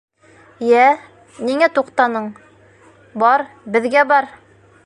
— Йә, ниңә туҡтаның, бар, беҙгә бар!